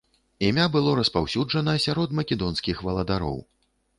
Імя было распаўсюджана сярод македонскіх валадароў.